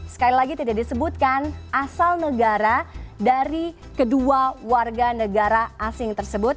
sekali lagi tidak disebutkan asal negara dari kedua warga negara asing tersebut